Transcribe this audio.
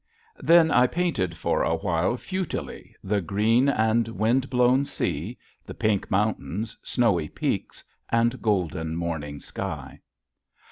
Then I painted for a while futilely, the green and wind blown sea, the pink mountains, snowy peaks, and golden morning sky.